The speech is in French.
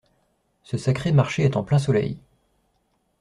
Ce sacré marché est en plein soleil…